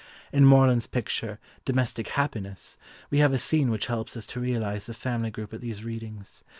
In Morland's picture, "Domestic Happiness," we have a scene which helps us to realise the family group at these readings.